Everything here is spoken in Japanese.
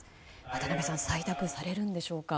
渡辺さん採択されるでしょうか。